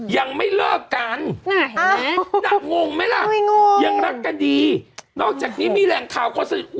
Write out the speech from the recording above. ยังไม่เลิกกันงงไหมล่ะยังรักกันดีนอกจากนี้มีแหล่งข่าวคนสนิท